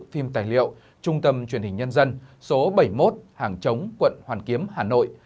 phim tài liệu trung tâm truyền hình nhân dân số bảy mươi một hàng chống quận hoàn kiếm hà nội